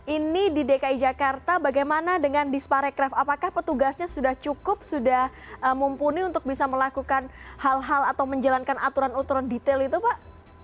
ini di dki jakarta bagaimana dengan disparekraf apakah petugasnya sudah cukup sudah mumpuni untuk bisa melakukan hal hal atau menjalankan aturan aturan detail itu pak